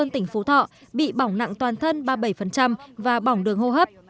tân sơn tỉnh phú thọ bị bỏng nặng toàn thân ba mươi bảy và bỏng đường hô hấp